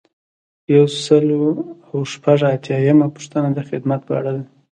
یو سل او شپږ اتیایمه پوښتنه د خدمت په اړه ده.